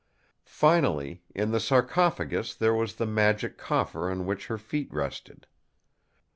Finally, in the sarcophagus there was the Magic Coffer on which her feet rested.